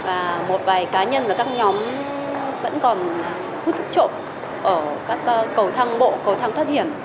và một vài cá nhân và các nhóm vẫn còn hút thuốc trộm ở các cầu thang bộ cầu thang thoát hiểm